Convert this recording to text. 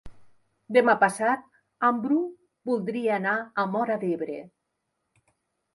Demà passat en Bru voldria anar a Móra d'Ebre.